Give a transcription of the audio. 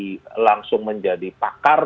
saya katakan untuk langsung menjadi pakar